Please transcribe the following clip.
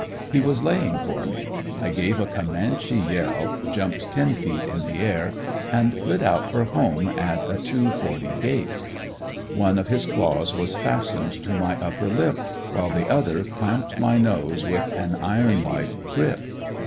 He was laying for me. I gave a comanche yell, jumped ten feet in the air and lit out for home at a 2:40 gait. One of his claws was fastened to my upper lip while the other clamped my nose with an iron like grip.